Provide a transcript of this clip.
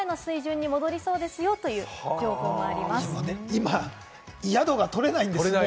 今、宿がとれないんです。